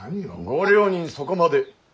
ご両人そこまで。